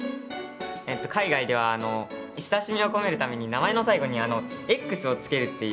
海外では親しみを込めるために名前の最後に「Ｘ」をつけるっていうことを習ったんですよ。